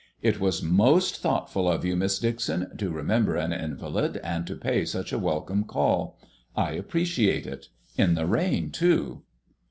"It was most thoughtful of you, Miss Dixon, to remember an invalid, and to pay such a welcome call. I appreciate it. In the rain, too."